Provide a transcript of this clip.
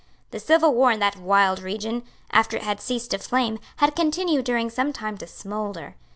The civil war in that wild region, after it had ceased to flame, had continued during some time to smoulder.